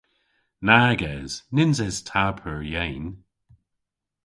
Nag es. Nyns es ta pur yeyn.